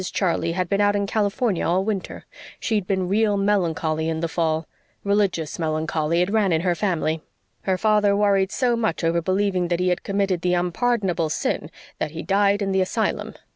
Charley had been out in California all winter. She'd been real melancholy in the fall religious melancholy it ran in her family. Her father worried so much over believing that he had committed the unpardonable sin that he died in the asylum.